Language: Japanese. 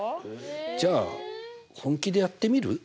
じゃあ本気でやってみる？